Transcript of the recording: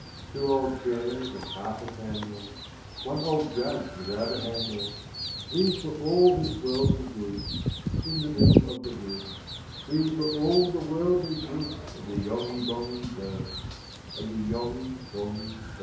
Two old chairs, and half a candle, One old jug without a handle, These were all his worldly goods: In the middle of the woods, These were all the worldly goods Of the Yonghy Bonghy Bò, Of the Yonghy Bonghy Bò.